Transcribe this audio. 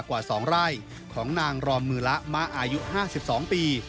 กว่า๒ไร่ของนางรอมมือละมะอายุ๕๒ปี